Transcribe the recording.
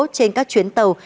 trên các chuyến tàu